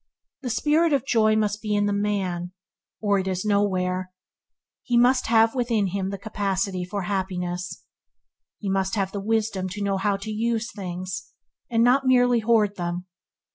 The spirit of joy must be in the man or it is nowhere. He must have within him the capacity for happiness. He must have the wisdom to know how to use these things, and not merely hoard them.